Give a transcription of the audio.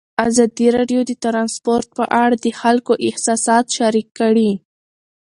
ازادي راډیو د ترانسپورټ په اړه د خلکو احساسات شریک کړي.